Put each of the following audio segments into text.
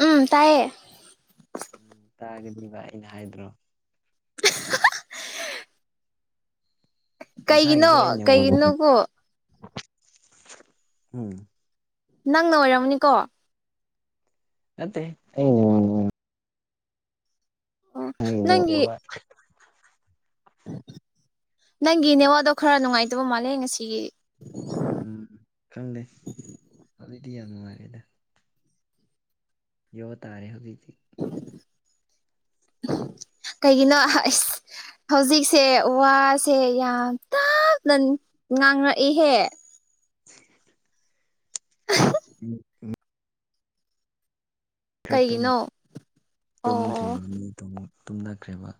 ꯎꯝ ꯇꯥꯏꯌꯦ ꯎꯝ ꯇꯥꯒꯗꯤꯕ ꯑꯩꯅ ꯍꯥꯏꯗ꯭ꯔꯣ [unintelligible] ꯉꯁꯥꯏꯒꯤꯗꯨ ꯑꯩ ꯀꯩꯒꯤꯅꯣ ꯅꯦꯠꯋꯥ꯭ꯔꯛꯅ ꯀꯩꯒꯤꯅꯣꯀꯣ [unintelligible] ꯎꯝ ꯅꯪꯅ ꯑꯣꯏꯔꯝꯃꯅꯤꯀꯣ ꯅꯠꯇꯦꯍꯦ ꯑꯩ [unintelligible] ꯑꯣ ꯅꯪꯒꯤ ꯉꯥꯡꯕ ꯅꯪꯒꯤ ꯅꯦꯠꯋꯥ꯭ꯔꯛꯇꯣ ꯈꯔ ꯅꯨꯡꯉꯥꯏꯇꯕ ꯃꯥꯜꯂꯦ ꯉꯁꯤꯒꯤ ꯎꯝ ꯈꯪꯗꯦ ꯍꯧꯖꯤꯛꯇꯤ ꯌꯥꯝ ꯅꯨꯡꯉꯥꯏꯔꯦꯗ ꯌꯣ ꯇꯥꯔꯦ ꯍꯧꯖꯤꯛꯇꯤ ꯀꯩꯒꯤꯅꯣ ꯍꯥ ꯏꯁ ꯍꯧꯖꯤꯛꯁꯦ ꯋꯥꯁꯦ ꯌꯥꯝ ꯇꯞꯅ ꯅꯨꯟ ꯉꯥꯡꯔꯛꯏꯍꯦ [unintelligible] ꯈꯔ ꯇꯨꯝ ꯀꯩꯒꯤꯅꯣ ꯑꯣ ꯑꯣ ꯇꯨꯝꯗ꯭ꯔꯤꯕꯅꯤ ꯇꯨꯝꯅ ꯇꯨꯝꯅꯈ꯭ꯔꯦꯕ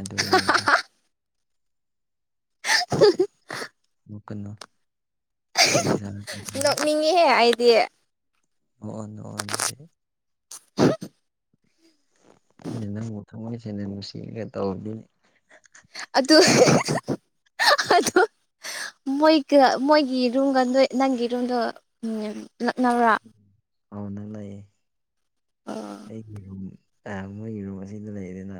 ꯑꯗꯨꯒꯤꯅꯤꯗ [unintelligible] ꯅꯣꯛꯀꯅꯨ ꯆꯩ [unintelligible] ꯆꯥꯔꯛꯅꯤ ꯅꯣꯛꯅꯤꯡꯉꯤꯍꯦ ꯑꯩꯗꯤ ꯑꯣ ꯑꯣ ꯅꯣꯛꯑꯣ ꯑꯗꯨꯗꯤ ꯑꯩꯅ ꯅꯪꯕꯨ ꯊꯃꯣꯏꯁꯦꯡꯅ ꯅꯨꯡꯁꯤꯔꯒ ꯇꯧꯔꯗꯤ ꯑꯗꯨ [unintelligible] ꯑꯥꯗꯨ ꯃꯣꯏꯒ ꯃꯣꯏꯒꯤ ꯔꯨꯝꯒꯗ ꯅꯪꯒꯤ ꯔꯨꯝꯗꯣ ꯎꯝ ꯂꯥꯛꯅꯕ꯭ꯔꯥ ꯑꯥꯎ ꯅꯛꯅꯩꯌꯦ [unintelligible] ꯑꯩꯒꯤ ꯔꯨꯝ ꯑ ꯃꯣꯏꯒꯤ ꯔꯨꯝ ꯑꯁꯤꯗ ꯂꯩꯌꯦꯗꯅ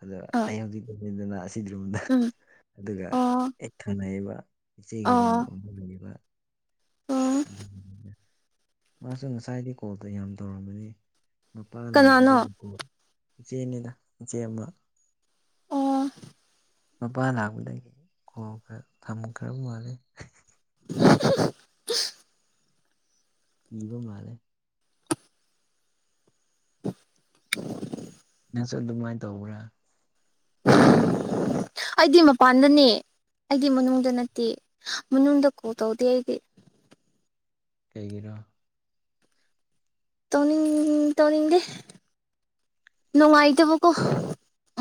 ꯑꯗꯣ ꯑꯥ ꯑꯩ ꯍꯧꯖꯤꯛ ꯗꯅ ꯑꯁꯤꯗ꯭ꯨꯔꯝꯗ ꯎꯝ ꯑꯗꯨꯒ ꯑꯣ ꯍꯦꯛ ꯊꯪꯅꯩꯌꯦꯕ ꯏꯆꯦꯒꯤ ꯔꯨꯝ ꯑꯣ ꯑꯃ ꯂꯩꯌꯦꯕ ꯎꯝ ꯑꯗꯨꯒꯤꯅꯤꯗꯥ ꯃꯥꯁꯨ ꯉꯁꯥꯏꯗꯩ ꯀꯣꯜꯗꯣ ꯌꯥꯝ ꯇꯧꯔꯝꯕꯅꯤ ꯅꯨꯄꯥ ꯀꯅꯥꯅꯣ ꯂꯥꯛꯄꯗꯒꯤ ꯀꯣꯜ ꯏꯆꯦꯅꯤꯗ ꯏꯆꯦ ꯑꯃ ꯑꯣ ꯃꯄꯥ ꯂꯥꯛꯄꯗꯒꯤ ꯀꯣꯜꯒ ꯊꯝꯈ꯭ꯔꯕ ꯃꯥꯜꯂꯦ [unintelligible] ꯀꯤꯕ ꯃꯥꯜꯂꯦ [unintelligible] ꯅꯪꯁꯨ ꯑꯗꯨꯃꯥꯏꯟ ꯇꯧꯕ꯭ꯔꯥ [inaudible] ꯑꯩꯗꯤ ꯃꯄꯥꯟꯗꯅꯦ ꯑꯩꯗꯤ ꯃꯅꯨꯡꯗ ꯅꯠꯇꯦ ꯃꯅꯨꯡꯗ ꯀꯣꯜ ꯇꯧꯗꯦ ꯑꯩꯗꯤ ꯀꯩꯒꯤꯔꯣ ꯇꯧꯅꯤꯡ ꯇꯧꯅꯤꯡꯗꯦ ꯅꯨꯡꯉꯥꯏꯇꯕꯀꯣ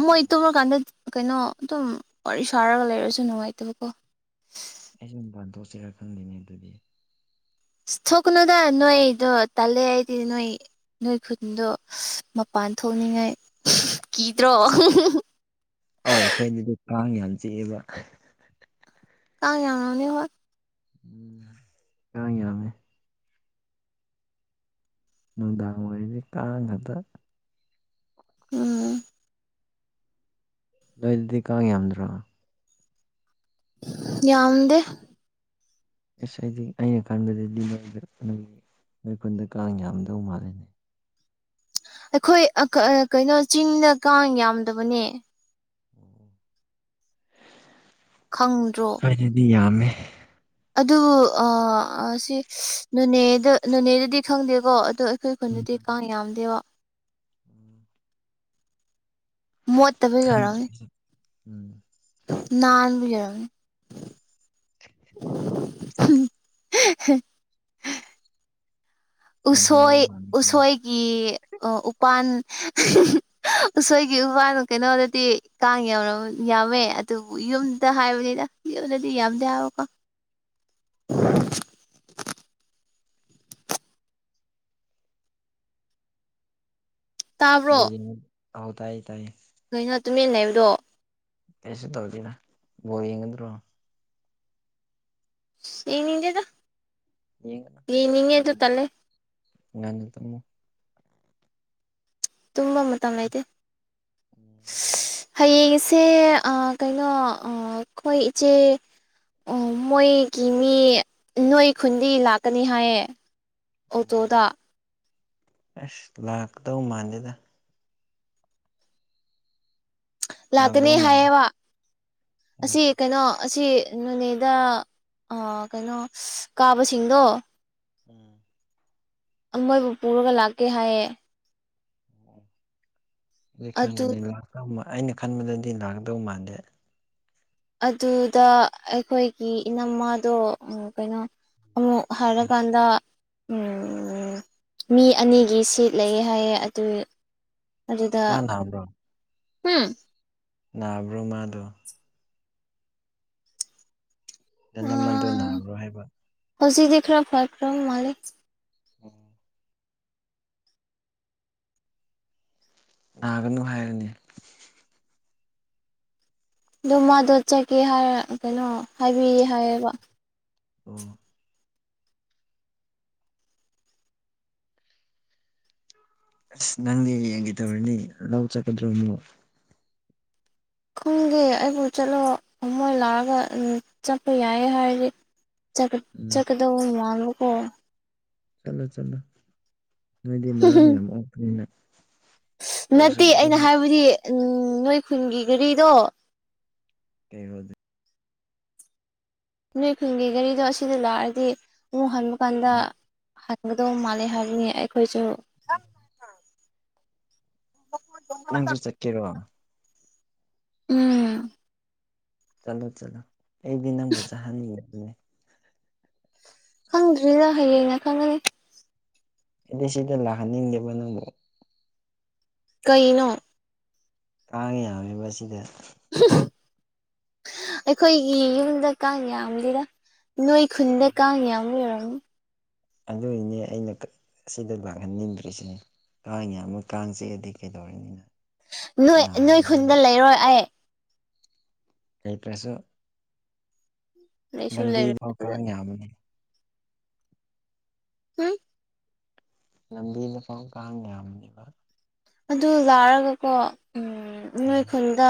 ꯃꯣꯏ ꯎꯝ ꯇꯨꯝꯨꯔꯀꯥꯟꯗ ꯀꯩꯅꯣ ꯑꯗꯨꯝ ꯋꯥꯔꯤ ꯁꯥꯔꯒ ꯂꯩꯔꯁꯨ ꯅꯨꯡꯉꯥꯏꯇꯕꯀꯣ ꯑꯩꯁꯨ ꯃꯄꯥꯟ ꯊꯣꯛꯁꯤꯔꯥ ꯈꯪꯗꯦꯅꯦ ꯑꯗꯨꯗꯤ ꯏꯁ ꯊꯣꯛꯀꯅꯣꯗ ꯅꯣꯏꯗꯣ ꯇꯜꯂꯦ ꯑꯩꯗꯤ ꯅꯣꯏ ꯅꯣꯏ ꯈꯨꯟꯗꯣ ꯃꯄꯥꯟ ꯊꯣꯛꯅꯤꯡꯉꯥꯏ ꯀꯤꯗ꯭ꯔꯣ [unintelligible] ꯍꯣꯏ ꯑꯩꯈꯣꯏꯗꯗꯤ ꯀꯥꯡ ꯌꯥꯝ ꯆꯤꯛꯑꯦꯕ ꯀꯥꯡ ꯌꯥꯥꯝꯃꯅꯤ ꯍꯣꯏ ꯎꯝ ꯀꯥꯡ ꯌꯥꯝꯃꯦ ꯅꯨꯡꯗꯥꯡ ꯑꯣꯏꯔꯗꯤ ꯀꯥꯡ ꯉꯥꯛꯇ ꯎꯝ ꯅꯣꯢ ꯑꯗꯥꯏꯗꯤ ꯀꯥꯡ ꯌꯥꯝꯗ꯭ꯔꯣ ꯌꯥꯝꯗꯦ ꯑꯁ ꯑꯩꯗꯤ ꯑꯩꯅ ꯈꯟꯕꯗꯗꯤ ꯅꯣꯏ ꯅꯣꯏꯈꯨꯜꯗ ꯀꯥꯡ ꯌꯥꯝꯗꯧ ꯃꯥꯜꯂꯤꯅꯦ ꯑꯩꯈꯣꯏ ꯑꯀꯥ ꯑꯥ ꯀꯩꯅꯣ ꯆꯤꯡꯗ ꯀꯥꯡ ꯌꯥꯝꯗꯕꯅꯦ ꯑꯣ ꯑꯣ ꯈꯪꯗ꯭ꯔꯣ ꯑꯩꯗꯤ ꯌꯥꯝꯃꯦ ꯑꯗꯨ ꯑꯥ ꯑꯁꯤ ꯁꯤ ꯅꯣꯅꯦꯗ ꯅꯣꯅꯦꯗꯗꯤ ꯈꯪꯗꯦꯀꯣ ꯑꯩꯈꯣꯏ ꯈꯨꯟꯅꯗꯤ ꯀꯥꯡ ꯌꯥꯝꯗꯦꯕ ꯎꯝ ꯃꯣꯠꯇꯕꯒꯤ ꯊ ꯎꯝ ꯅꯥꯟ ꯌꯥꯔ ꯍꯦ ꯍꯦ ꯌꯥꯝ ꯍꯔꯥꯎ ꯎꯁꯣꯏ ꯃꯥꯜꯂꯤꯀꯣ ꯎꯁꯣꯏꯒꯤ ꯑꯣ ꯎꯄꯥꯟ ꯎꯁꯣꯏꯒꯤ ꯎꯄꯥꯟ ꯀꯩꯅꯣꯗꯗꯤ ꯀꯥꯡ ꯌꯥꯝ ꯌꯥꯝꯃꯦ ꯑꯗꯨꯕꯨ ꯌꯨꯝꯗ ꯍꯥꯏꯕꯅꯤꯅ ꯌꯨꯝꯗꯗꯤ ꯌꯥꯝꯗꯦ ꯍꯥꯏꯕꯀꯣ ꯇꯥꯕ꯭ꯔꯣ ꯣꯖꯤ ꯍꯧ ꯇꯥꯏ ꯇꯥꯏ ꯀꯩꯅꯣ ꯇꯨꯃꯤꯟꯅ ꯂꯩꯕꯗꯣ ꯀꯩꯁꯨ ꯇꯧꯗꯦꯅ ꯕꯣꯜ ꯌꯦꯡꯅꯤꯡꯗ꯭ꯔꯣ ꯌꯦꯡꯅꯤꯡꯗꯦꯗ ꯌꯦꯡꯉꯨꯅꯣ ꯌꯦꯡꯅꯤꯡꯉꯦ ꯑꯗꯨ ꯇꯜꯂꯦ ꯉꯟꯅ ꯇꯨꯝꯃꯣ ꯇꯨꯝꯕ ꯃꯇꯝ ꯂꯩꯇꯦ ꯎꯝ ꯑꯗꯨꯅꯤ ꯍꯌꯦꯡꯁꯦ ꯀꯩꯅꯣ ꯑꯈꯣꯏ ꯏꯆꯦ ꯑꯣ ꯃꯣꯏꯒꯤ ꯃꯤ ꯅꯣꯏ ꯈꯨꯟꯗꯩ ꯂꯥꯛꯀꯅꯤ ꯍꯥꯏꯌꯦ ꯎ ꯑꯣꯇꯣꯗ ꯑꯁ ꯂꯥꯛꯀꯗꯧ ꯃꯥꯟꯗꯦꯗ ꯂꯥꯛꯀꯅꯤ ꯂꯥꯛꯗꯧ ꯃꯥꯟꯗꯦ ꯍꯥꯏꯌꯦꯕ ꯑꯁꯤ ꯎꯝ ꯀꯩꯅꯣ ꯑꯁꯤ ꯅꯣꯅꯦꯗ ꯀꯩꯅꯣ ꯀꯥꯕꯁꯤꯡꯗꯣ ꯎꯝ ꯃꯣꯏꯕꯨ ꯄꯨꯔꯒ ꯂꯥꯛꯀꯦ ꯍꯥꯏꯌꯦ ꯑꯗꯨ ꯈꯪꯗꯦꯅꯤ ꯑꯩꯅ ꯈꯟꯕꯗꯗꯤ ꯂꯥꯛꯗꯧ ꯃꯥꯟꯗꯦ ꯑꯗꯨꯗ ꯑꯩꯈꯣꯏꯒꯤ ꯏꯅꯝꯃꯗꯣ ꯀꯩꯅꯣ ꯑꯃꯨꯛ ꯍꯥꯏꯔꯀꯥꯟꯗ ꯎꯝ ꯃꯤ ꯑꯅꯤꯒꯤ ꯁꯤꯠ ꯂꯩ ꯍꯥꯏꯌꯦ ꯑꯗꯨ ꯑꯗꯨꯗ ꯃꯥ ꯅꯥꯕ꯭ꯔꯣ ꯎꯝ ꯅꯍꯕ꯭ꯔꯣꯃꯥꯗꯣ ꯅꯃꯟꯗꯨ ꯅꯥꯕ꯭ꯔꯣ ꯍꯥꯏꯕ ꯍꯧꯖꯤꯗꯤ ꯈꯔ ꯐꯔ ꯀ꯭ꯔꯣ ꯃꯥ ꯂꯩ ꯎꯝ ꯅꯥꯒꯅꯨ ꯍꯥꯏꯔꯅꯤ ꯑꯗꯣ ꯃꯥꯗꯣ ꯆꯠꯀꯦ ꯍꯥꯏꯔ ꯀꯩꯅꯣ ꯍꯥꯏꯕꯤꯌꯦ ꯍꯥꯏꯌꯦꯕ ꯑꯣ ꯑꯁ ꯅꯪꯗꯤ ꯌꯦꯡꯒꯦ ꯇꯧꯔꯅꯤ ꯂꯥꯎ ꯆꯠꯀꯗ꯭ꯔꯣꯅꯣ ꯑꯩꯪꯒꯤꯦ ꯑꯩꯕꯨ ꯆꯠꯂꯣ ꯑꯃꯣꯏ ꯂꯥꯛꯑꯒ ꯆꯠꯄ ꯌꯥꯏ ꯍꯥꯏꯔꯗꯤ ꯆꯀ ꯎꯝ ꯆꯀꯗ ꯃꯂꯀꯣ ꯆꯠꯂꯣ ꯆꯠꯂꯣ ꯅꯣꯏꯗꯤ ꯃꯔꯥꯡ ꯌꯥꯝ ꯑꯣꯄꯅꯤꯅ ꯅꯠꯇꯦ ꯑꯩꯅ ꯍꯥꯏꯕꯗꯤ ꯎ ꯅꯣꯏ ꯈꯨꯟꯒꯤ ꯒꯥꯔꯤꯗꯣ ꯀꯩ ꯍꯧꯗ ꯃꯤꯑꯣꯏ ꯈꯨꯟꯒꯤ ꯒꯥꯔꯤꯗꯣ ꯑꯁꯤꯗ ꯂꯥꯛꯑꯗꯤ ꯑꯃꯨꯛ ꯍꯟꯕ ꯀꯥꯟꯗ ꯍꯪꯒꯗꯧ ꯃꯥꯜꯂꯦ ꯍꯥꯏꯕꯅꯤ ꯑꯩꯈꯣꯏꯁꯨ ꯑꯣꯝ ꯅꯪꯁꯨ ꯆꯠꯀꯦꯔꯣ ꯎꯝ ꯆꯂꯣ ꯆꯂꯣ ꯑꯦꯗꯤꯅ ꯑꯃꯕꯨ ꯆꯍꯅꯤ ꯍꯥꯏꯅꯤ ꯈꯪꯗ꯭ꯔꯤꯅ ꯍꯌꯦꯡꯩꯅ ꯈꯪꯒꯅꯤ ꯑꯗꯤ ꯁꯤꯗ ꯂꯥꯛꯍꯟꯅꯤꯡꯗꯦꯕ ꯅꯪꯕꯨꯣ ꯀꯩꯅꯣ ꯇꯥꯡꯉ ꯌꯥꯝꯃꯤ ꯑꯁꯤꯗ ꯑꯩꯈꯣꯏꯒꯤ ꯌꯨꯝꯗ ꯀꯥꯡ ꯌꯥꯝꯂꯤꯔ ꯅꯣꯏ ꯈꯨꯟꯗ ꯀꯥꯡ ꯌꯥꯝ ꯑꯣꯏꯔꯝꯃꯤ ꯑꯗꯨꯒꯤꯅꯦ ꯑꯩꯅ ꯁꯤꯗ ꯂꯥꯛꯍꯟꯅꯤꯡꯗ꯭ꯔꯤꯁꯤꯅꯦ ꯀꯥꯡꯉꯦ ꯑꯃ ꯀꯥꯡꯁꯦ ꯑꯗꯩ ꯀꯩꯗꯧꯔꯅꯤꯅ ꯅꯣꯏ ꯅꯣꯏ ꯈꯨꯟꯗ ꯅꯥꯔꯅꯤꯅ ꯂꯩꯔꯣꯏ ꯑꯩ ꯀꯩꯇ꯭ꯔꯁꯨ ꯂꯩꯁꯨ ꯂꯩꯔꯣꯏ ꯂꯝꯕꯤꯗꯣ ꯀ ꯑꯗꯨꯗ ꯌꯥꯝꯕꯅꯦ ꯎꯝ ꯂꯝꯕꯤꯗ ꯄꯥꯎ ꯀꯥꯡ ꯌꯥꯝꯕꯅꯦꯕ ꯑꯗꯨ ꯂꯥꯔꯒꯀꯣ ꯎꯝ ꯅꯣꯏ ꯈꯨꯟꯗ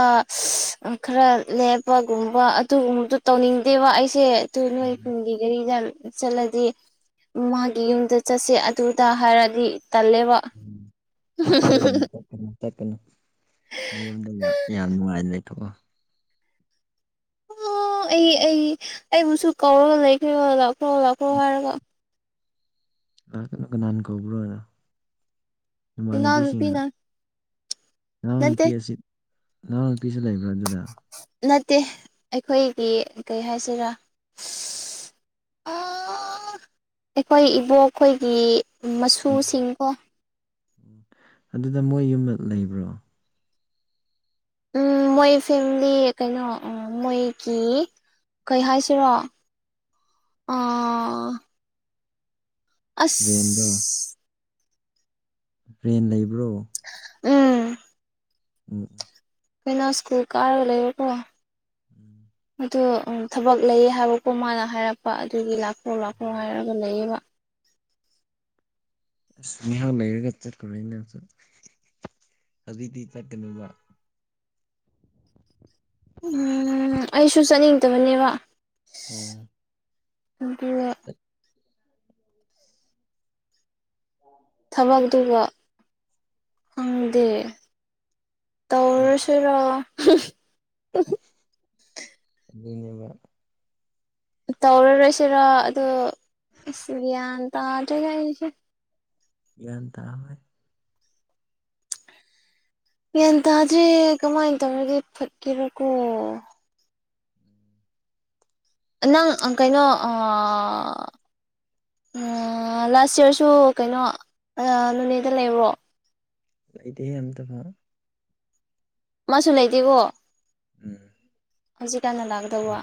ꯈꯔ ꯂꯦꯞꯄꯒꯨꯝꯕ ꯑꯗꯨꯒꯨꯝꯕꯗꯨꯣ ꯇꯧꯅꯤꯡꯗꯦꯕ ꯑꯩꯁꯦ ꯑꯗꯨ ꯅꯣꯏ ꯎꯝ ꯈꯨꯟꯒꯤ ꯐꯔꯤꯗ ꯆꯂꯗꯤ ꯃꯥꯒꯤ ꯌꯨꯝꯗ ꯆꯠꯁꯦ ꯑꯗꯨꯗ ꯍꯥꯏꯔꯗꯤ ꯇꯜꯂꯦꯕ ꯑꯗꯨꯏꯅꯦ ꯆꯠꯅ ꯆꯠꯀꯅ ꯅ ꯌꯨꯝꯝꯗ ꯌꯥꯝ ꯅꯨꯡꯉꯥꯏꯅ ꯂꯩꯊꯣꯛꯑꯣ ꯑꯣ ꯑꯩ ꯑꯩ ꯑꯩꯕꯨꯁꯨ ꯀꯧꯔꯒ ꯂꯩꯈ꯭ꯔꯦ ꯂꯥꯛꯈ꯭ꯔꯣ ꯂꯥꯛꯈ꯭ꯔꯣ ꯍꯥꯏꯔꯒ ꯑ ꯀꯩꯅꯣ ꯀꯅꯥꯅ ꯀꯧꯕ꯭ꯔꯣꯅ ꯏꯃꯥꯟꯅꯕꯤꯁꯤꯡꯅ ꯏꯅꯥꯎꯅꯨꯄꯤꯅ ꯑꯉꯥꯡ ꯅꯨꯄꯤ ꯅꯠꯇꯦ ꯑꯁꯤ ꯑꯉꯥꯡ ꯅꯨꯄꯤꯁꯤ ꯂꯩꯕ꯭ꯔꯥ ꯑꯗꯨꯗ ꯅꯠꯇꯦ ꯑꯩꯈꯣꯏꯒꯤ ꯀꯩ ꯍꯥꯏꯁꯤꯔꯥ ꯑꯩꯈꯣꯏ ꯏꯕꯣꯛꯈꯣꯏꯒꯤ ꯃꯆꯁꯨꯁꯤꯡꯀꯣ ꯎꯝ ꯑꯗꯨꯗ ꯃꯣꯏ ꯌꯨꯝꯗ ꯂꯩꯕ꯭ꯔꯣ ꯎ ꯃꯣꯏ ꯐꯦꯃꯤꯂꯤ ꯀꯩꯅꯣ ꯃꯣꯏꯒꯤ ꯀꯩ ꯍꯥꯏꯁꯤꯔꯣ ꯑ ꯔꯦꯟꯗꯣ ꯑꯁ ꯭ꯔꯦꯟ ꯂꯩꯕ꯭ꯔꯣ ꯎꯝ ꯎꯝ ꯎꯝ ꯑꯩꯈꯣꯏꯅ ꯁ꯭ꯀꯨꯜ ꯀꯥꯔꯒ ꯂꯩꯕꯔꯕ꯭ꯔꯣ ꯎꯝ ꯑꯗꯨ ꯊꯕꯛ ꯂꯩꯌꯦ ꯍꯥꯏꯕꯀꯣ ꯃꯥꯅ ꯍꯥꯏꯔꯛꯄ ꯑꯗꯨꯒꯤ ꯂꯥꯈꯣ ꯂꯥꯈꯣ ꯍꯥꯏꯔꯒ ꯂꯩꯌꯦꯕ ꯑꯁ ꯅꯍꯥꯟ ꯂꯩꯔꯒ ꯆꯠꯈꯨꯔꯅꯁꯨ ꯍꯧꯖꯤꯛꯇꯤ ꯆꯠꯀꯅꯦꯕ ꯑꯩꯁꯨ ꯆꯠꯅꯤꯡꯗꯕꯅꯦꯕ ꯎꯝ ꯑꯗꯨꯒ ꯊꯕꯛꯇꯨꯒ ꯐꯪꯗꯦ ꯇꯧꯔꯁꯤꯔ ꯑꯗꯨꯅꯦꯕ ꯇꯧꯔꯔꯣꯏꯁꯤꯔꯣ ꯑꯗꯣ ꯑꯁ ꯒ꯭ꯌꯥꯟ ꯇꯥꯗ꯭ꯔꯦꯅꯦ ꯑꯩꯔꯤꯁꯦ ꯒ꯭ꯌꯥꯟ ꯇꯥꯣꯏ ꯒ꯭ꯌꯥꯟ ꯇꯥꯗ꯭ꯔꯦ ꯀꯃꯥꯏꯅ ꯇꯧꯔꯒꯦ ꯐꯠꯀꯦꯔꯣꯀꯣ ꯎꯝ ꯅꯪ ꯀꯩꯅꯣ ꯂꯥꯁ ꯌꯔꯁꯨ ꯀꯩꯅꯣ ꯅꯅꯦꯗ ꯂꯩꯕ꯭ꯔꯣ ꯂꯩꯗꯦꯦ ꯌꯥꯝꯇꯕ ꯃꯥꯁꯨ ꯂꯩꯇꯦꯕꯣ ꯎꯝ ꯍꯧꯖꯤꯛꯀꯥꯟꯅ ꯂꯥꯛꯀꯗꯧꯕ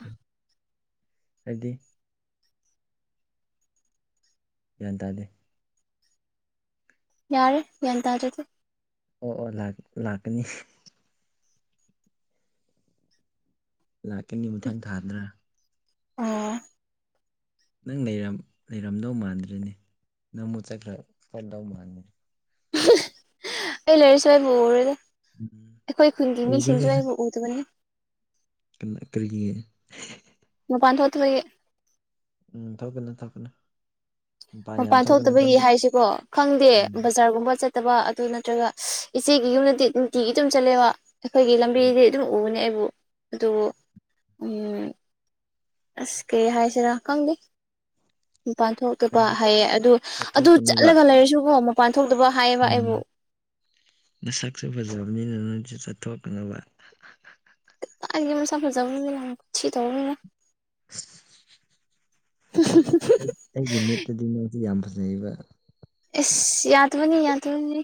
ꯍꯥꯏꯗꯤ ꯒ꯭ꯌꯥꯟ ꯇꯥꯗꯦ ꯌꯥꯔꯦ ꯒꯌꯥꯟ ꯍꯥꯏꯗꯤ ꯑꯣ ꯑꯣ ꯂꯥꯛꯀꯅꯤ ꯂꯥꯛꯀꯅꯤ ꯃꯊꯪ ꯊꯥꯗ꯭ꯔꯥ ꯑꯥ ꯅꯪ ꯂꯩꯔꯝꯗꯧ ꯃꯥꯟꯗ꯭ꯔꯅꯦ ꯅꯪ ꯑꯃꯨ ꯆꯠꯈ꯭ꯔ ꯐꯗꯧ ꯃꯥꯥꯟꯅꯤ ꯑꯩ ꯂꯩꯥꯏꯔꯤꯁꯨ ꯑꯩꯕꯨ ꯎꯔꯗ ꯑꯩꯈꯣꯏ ꯈꯨꯟꯒꯤ ꯎꯝ ꯃꯤꯁꯤꯡꯁꯨ ꯑꯩꯕꯨ ꯎꯔꯦ ꯑꯗꯨꯅꯤ ꯀ ꯀꯔꯤꯒꯤ ꯅ ꯄꯥꯟꯊꯣꯠꯦ ꯎꯝ ꯊꯒꯅꯦ ꯊꯀꯅ ꯃꯄꯥꯟ ꯊꯣꯛꯇꯕꯒꯤ ꯍꯥꯏꯁꯤꯀꯣ ꯈꯪꯗꯦ ꯎꯝ ꯕꯖꯥꯔꯒꯨꯝꯕ ꯆꯠ ꯐꯠꯇꯕ ꯑꯗꯨ ꯅꯠꯇ꯭ꯔꯒ ꯏꯆꯦꯒꯤ ꯌꯨꯝꯗꯗꯤ ꯅꯨꯡꯇꯤꯒꯤ ꯑꯗꯨꯨꯝ ꯆꯠꯂꯦꯕ ꯑꯩꯈꯣꯏꯒꯤ ꯎꯝ ꯂꯝꯕꯤꯗꯤ ꯑꯗꯨꯝ ꯎꯕꯅꯤ ꯑꯩꯕꯨ ꯑꯗꯨꯕꯨ ꯑꯁ ꯀꯦ ꯍꯥꯏꯁꯤꯔꯥ ꯈꯪꯗꯦ ꯃꯄꯥꯟ ꯊꯣꯛꯇꯕ ꯅꯪꯗꯤ ꯍꯥꯏꯌꯦ ꯑꯗꯨ ꯑꯗꯨ ꯆꯠꯊꯣꯛꯀꯅꯨꯕ ꯆꯠꯂꯒ ꯂꯩꯔꯁꯨꯀꯣ ꯃꯄꯥꯟ ꯊꯣꯛꯇꯕ ꯍꯥꯏꯌꯦꯕ ꯑꯩꯕꯨ ꯃꯁꯛꯁꯨꯦ ꯐꯖꯕꯅꯤꯅ ꯅꯪꯣꯏꯁꯨ ꯆꯠꯊꯣꯛꯅꯕ ꯑꯒꯤ ꯃꯨꯁ ꯐꯖꯕꯅ ꯃꯂ ꯊꯈꯤ ꯇꯧꯕꯅ ꯃꯦ [inaudible] [unintelligible] ꯑꯩ ꯑꯩꯒꯤ ꯃꯤꯠꯇꯗꯤ ꯅꯁꯤ ꯌꯥꯝ ꯐꯖꯩꯕ ꯑꯦꯁ ꯌꯥꯗꯕꯅꯤ ꯌꯥꯗꯕꯅꯤꯅꯦ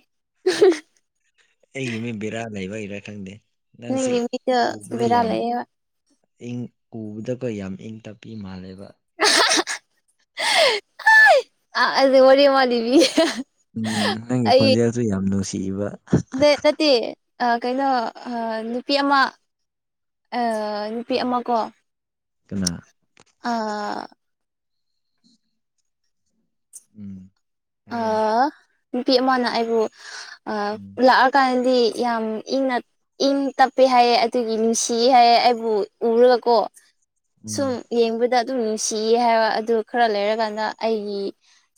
ꯑꯩꯒꯤ ꯃꯤ ꯕꯦꯔꯥ ꯂꯩꯕꯩꯔꯥ ꯈꯪꯗꯦ ꯅꯪꯁꯤ ꯅꯪꯒꯤ ꯃꯤꯗ ꯎꯕꯗ ꯕꯦꯔꯥ ꯌꯥꯝ ꯂꯩꯌꯦꯕ ꯏꯪ ꯎꯕꯗꯒ ꯌꯥꯝ ꯏꯪ ꯇꯞꯄꯤ ꯃꯥꯜꯂꯦꯕ ꯑꯗꯨ ꯋꯥꯔꯤꯣꯔ ꯃꯥꯂꯤꯕꯤ ꯎꯝ ꯅꯪꯒꯤ ꯈꯣꯟꯖꯦꯜꯁꯨ ꯌꯥꯝ ꯅꯨꯡꯁꯤꯕ ꯗꯦ ꯅꯠꯇꯦ ꯑꯥ ꯀꯩꯅꯣ ꯑ ꯅꯨꯄꯤ ꯑꯃ ꯑ ꯅꯨꯄꯤ ꯑꯃꯀꯣ ꯀꯅꯥ ꯑꯥ ꯎꯝ ꯍꯥꯏꯔꯣ ꯑꯥ ꯅꯨꯄꯤ ꯑꯃꯅ ꯑꯩꯕꯨ ꯑꯥ ꯎꯝ ꯂꯥꯛꯑ ꯀꯥꯡꯗꯤ ꯌꯥꯝ ꯏꯪꯅ ꯏꯪ ꯇꯞꯄꯦ ꯍꯥꯏꯌꯦ ꯑꯗꯨꯒꯤ ꯅꯨꯡꯁꯤꯌꯦ ꯍꯥꯏꯌꯦ ꯑꯩꯕꯨ ꯎꯔꯒꯀꯣ꯫ ꯁꯨꯝ ꯎꯝ ꯌꯦꯡꯕꯗ ꯑꯗꯨꯝ ꯅꯨꯡꯁꯤꯌꯦ ꯍꯥꯏꯕ ꯑꯗꯨ ꯈꯔ ꯂꯩꯔꯀꯥꯟꯗ ꯑꯩꯒꯤ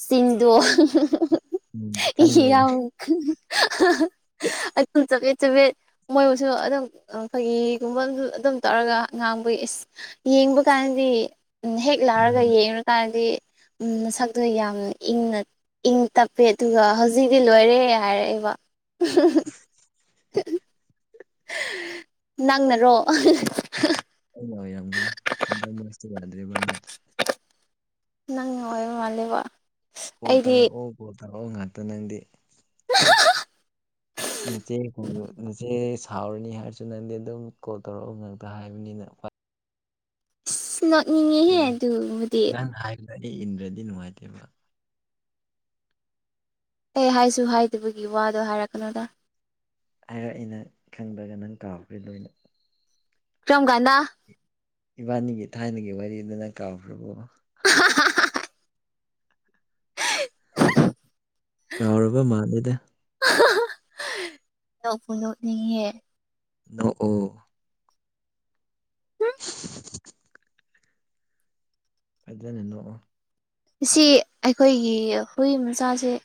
ꯆꯤꯟꯗꯨ ꯍꯨꯝ ꯍꯨꯝ ꯍꯨꯝ ꯎꯝ ꯏ ꯈꯟꯕꯩ ꯌꯥꯝ ꯀꯟ ꯍꯥ ꯍꯥ ꯑ ꯑꯩ ꯇꯨꯝ ꯆꯕꯦꯠ ꯆꯕꯦꯠ ꯃꯣꯏꯕꯨꯁꯨ ꯑꯗꯨꯝ ꯐꯒꯤꯒꯨꯝꯕ ꯑꯗꯨꯝ ꯇꯧꯔꯒ ꯉꯥꯡꯕꯒꯤ ꯏꯁ ꯌꯦꯡꯕ ꯀꯥꯟꯗꯤ ꯍꯦꯛ ꯂꯥꯛꯔꯒ ꯎꯝ ꯌꯦꯡꯉꯨꯔ ꯀꯥꯟꯗꯤ ꯎꯝ ꯅꯁꯛꯇꯣ ꯌꯥꯝꯅ ꯏꯪꯅ ꯏꯪ ꯇꯞꯄꯦ ꯑꯗꯨꯒ ꯍꯧꯖꯤꯇꯤ ꯂꯣꯏꯔꯦꯍꯦ ꯍꯥꯏꯔꯛꯑꯦꯕ ꯎꯍꯨꯝ ꯍꯨꯝ ꯅꯪꯅꯔꯣ ꯑꯍꯥ ꯍꯥ ꯑꯩꯅ ꯑꯣꯏꯔꯝꯒꯅꯤ ꯍꯟꯗꯛ ꯃꯔꯛꯁꯦ ꯌꯥꯗ꯭ꯔꯦꯕ ꯅꯪ ꯅꯪꯅ ꯑꯣꯏꯕ ꯃꯥꯂꯦꯕ ꯀꯣꯜ ꯇꯧꯔꯛꯑꯣ ꯀꯣꯜ ꯇꯧꯔꯛꯑꯣ ꯉꯥꯛꯇ ꯅꯪꯗꯤ꯫ ꯍꯥ ꯍꯥ ꯍꯥ ꯅꯆꯦ ꯀꯧ ꯅꯆꯦ ꯁ [unintelligible] ꯁꯥꯎꯔꯅꯤ ꯍꯥꯏꯔꯁꯨ ꯅꯪꯗꯤ ꯑꯗꯨꯝ ꯀꯣꯜ ꯇꯧꯔꯛꯑꯣ ꯉꯛꯇ ꯍꯥꯏꯕꯅꯤꯅ [unintelligible] ꯂꯥꯛꯅꯤꯡꯉꯦ ꯏꯅꯦ ꯅꯪ ꯍꯥꯏꯕꯗꫭ ꯏꯟꯗ꯭ꯔꯗꯤ ꯅꯨꯡꯉꯥꯏꯇꯦꯕ꯫ ꯑꯩ ꯍꯥꯏꯁꯨ ꯍꯥꯏꯗꯕꯒꯤ ꯋꯥꯗꯣ ꯍꯥꯏꯔꯛꯀꯅꯨꯗ꯫ ꯍꯥꯏꯔ ꯑꯩꯅ ꯈꯪꯗꯔꯒ ꯅꯪ ꯀꯥꯎꯈ꯭ꯔꯦ ꯂꯣꯏꯅ꯫ ꯀꯔꯝꯀꯥꯟꯗ ꯏꯕꯥꯅꯤꯒꯤ ꯊꯥꯏꯅꯒꯤ ꯋꯥꯔꯤꯗꯨ ꯅꯪ ꯀꯥꯎꯈ꯭ꯔꯕꯣ꯫ ꯑꯍꯥ ꯍꯥ ꯍꯥ [unintelligible] ꯀꯥꯎꯔꯕ ꯃꯥꯜꯂꯤꯗ ꯍꯥ ꯍꯥ ꯅꯣꯛꯄꯨ ꯅꯣꯛꯅꯤꯉꯦꯍ‌ꯦ꯫ ꯅꯣꯛꯑꯣ [unintelligible] ꯐꯖꯅ ꯅꯣꯛꯑꯣ ꯑꯁꯤ ꯑꯩꯈꯣꯏꯒꯤ ꯍꯨꯏ ꯃꯆꯥꯁꯦ ꯅꯨꯞ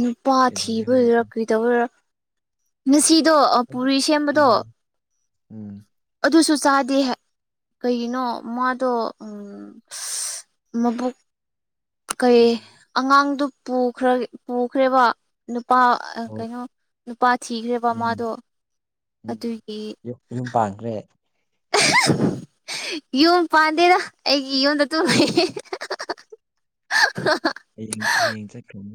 ꯅꯨꯄꯥ ꯀꯩꯗꯧꯔꯦ ꯊꯤꯕꯒꯤꯔꯥ ꯍꯧꯖꯤꯛꯇ ꯀꯔꯤ ꯇꯧꯕꯒꯤꯔ ꯉꯁꯤꯗꯣ ꯑꯣ ꯎꯝ ꯄꯨꯔꯤ ꯁꯦꯝꯕꯗꯣ꯫ ꯎꯝ ꯑꯗꯨꯁꯨ ꯆꯥꯗꯦ ꯀꯩꯒꯤꯅꯣ ꯃꯥꯗꯣ ꯎꯝ ꯎꯝ ꯃꯕꯨꯛ ꯀꯔꯤ ꯎꯝ ꯑꯉꯥꯡꯗꯨ ꯄꯨꯈꯔ‌ꯦ ꯄꯨꯈ꯭ꯔꯦꯕ ꯅꯨꯄꯥ ꯑꯥ ꯍꯣ ꯀꯩꯅꯣ ꯅꯨꯄꯥ ꯊꯤꯈ꯭ꯔꯦꯕ ꯎꯝ ꯃꯥꯗꯣ ꯑꯗꯨꯒꯤ ꯃꯌꯨꯝ ꯄꯥꯟꯈ꯭ꯔꯦ ꯌꯨꯝ ꯄꯥꯟꯗꯦꯗ ꯑꯩꯒꯤ ꯌꯨꯝꯗ ꯑꯗꯨꯝ ꯂꯩꯌꯦ ꯍꯦꯍꯥꯍꯥ [unintelligible] [unintelligible] ꯍꯥ ꯍꯥ ꯍꯥ ꯍꯌꯦꯡ ꯍꯌꯦꯡ ꯆꯠꯈ꯭ꯔꯅꯤ